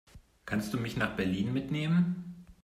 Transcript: Kannst du mich nach Berlin mitnehmen?